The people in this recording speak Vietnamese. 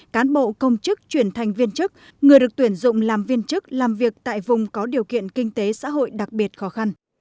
cán bộ công chức chuyển thành viên chức người được tuyển dụng làm viên chức làm việc tại vùng có điều kiện kinh tế xã hội đặc biệt khó khăn